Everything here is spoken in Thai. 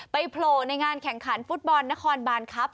โผล่ในงานแข่งขันฟุตบอลนครบานครับ